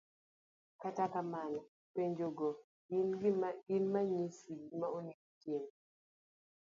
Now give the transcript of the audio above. kata kamano, penjo go gin mang'isi gima onego itim.